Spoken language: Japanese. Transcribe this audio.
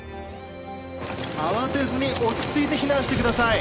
慌てずに落ち着いて避難してください。